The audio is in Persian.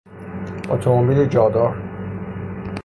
اتومبیل جادار